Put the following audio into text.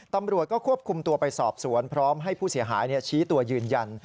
ตำรวจก็ควบคุมตัวไปสอบสวนพร้อมให้ผู้เสียหายชี้ตัวยืนยัน